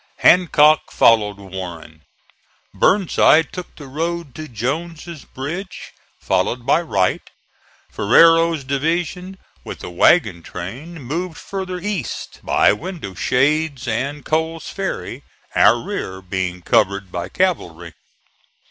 Hancock followed Warren. Burnside took the road to Jones's Bridge, followed by Wright. Ferrero's division, with the wagon train, moved farther east, by Window Shades and Cole's Ferry, our rear being covered by cavalry.